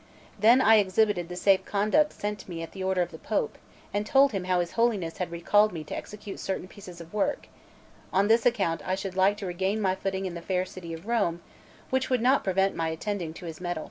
Then I exhibited the safe conduct sent me at the order of the Pope, and told him how his Holiness had recalled me to execute certain pieces of work; on this account I should like to regain my footing in the fair city of Rome, which would not prevent my attending to his medal.